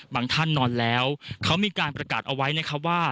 ท่านนอนแล้วเขามีการประกาศเอาไว้นะครับว่า